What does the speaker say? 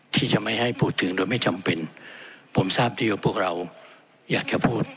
ที่จะไม่ให้พูดถึงโดยไม่จำเป็นผมทราบที่ว่าพวกเราอยากจะพูด